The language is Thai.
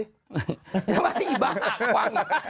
ทำไมอีบ้าหากว่าง